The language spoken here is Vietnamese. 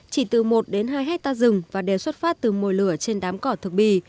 chỉ từ một hai hectare rừng và đều xuất phát từ mồi lửa trên đám cỏ thực bì